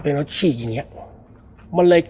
แล้วสักครั้งหนึ่งเขารู้สึกอึดอัดที่หน้าอก